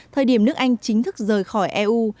thời điểm nước anh chính thức rời khỏi eu